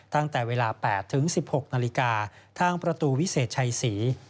ตั้งแต่เวลา๘๑๖นาฬิกาทางประตูวิเศษชัยศรี